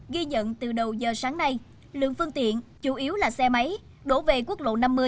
ghi nhận từ đầu giờ sáng nay lượng phương tiện chủ yếu là xe máy đổ về quốc lộ năm mươi